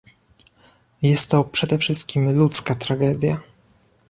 Jest to przede wszystkim ludzka tragedia